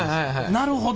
なるほど。